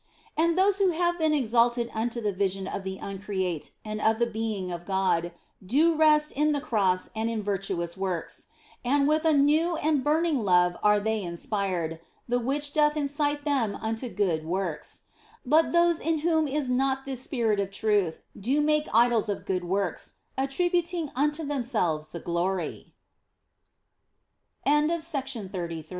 And those who have been exalted unto the vision of the Uncreate and of the Being of God do rest in the Cross and in virtuous works, and with a new and burning love are they inspired, the which doth incite them unto good works. But those in whom is not this spirit of truth do make idols of good works, attributing unto themselves the glory.